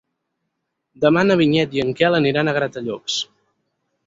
Demà na Vinyet i en Quel aniran a Gratallops.